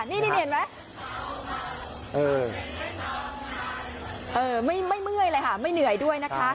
นี่เห็นไหมไม่เมื่อยเลยค่ะไม่เหนื่อยด้วยนะคะ